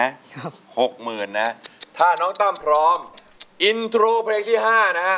ครับหกหมื่นนะถ้าน้องตั้มพร้อมอินโทรเพลงที่ห้านะฮะ